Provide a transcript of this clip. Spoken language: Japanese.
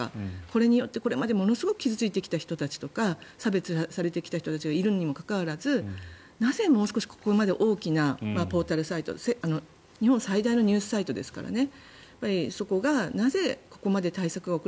これによってこれまでものすごい傷付いてきた人たちとか差別されてきた人たちがいるにもかかわらずなぜもう少しここまで大きなポータルサイト日本最大のニュースサイトですからね。